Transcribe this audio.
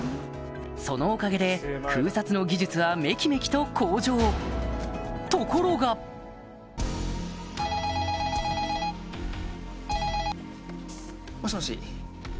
そのおかげで空撮の技術はめきめきと向上ところがもしもし。